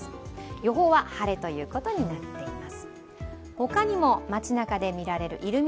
予報は晴れということになっています。